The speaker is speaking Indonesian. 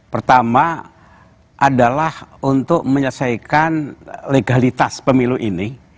pertama adalah untuk menyelesaikan legalitas pemilu ini